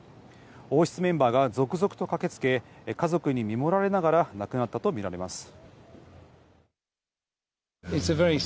王室メンバーが続々と駆けつけ、家族に見守られながら亡くなったと見られます。